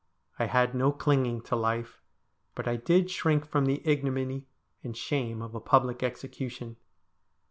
I had no clinging to life ; but I did shrink from the ignominy and shame of a public execution.